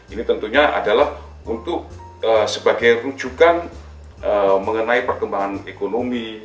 ini tentunya adalah untuk sebagai rujukan mengenai perkembangan ekonomi